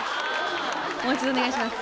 もう一度お願いします